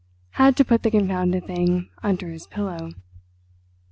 Had to put the confounded thing under his pillow.